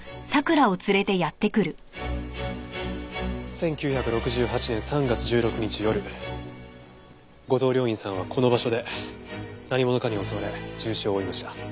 １９６８年３月１６日夜後藤了胤さんはこの場所で何者かに襲われ重傷を負いました。